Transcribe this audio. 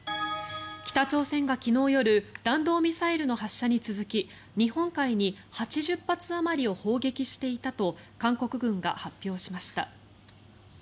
北朝鮮が昨日夜弾道ミサイルの発射に続き日本海に８０発あまりを砲撃していたと韓国軍が発表しました。